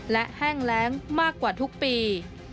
และแห้งแรงมากกว่าทุกปี